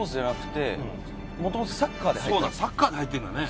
サッカーで入ってるんだよね。